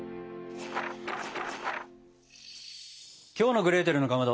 きょうの「グレーテルのかまど」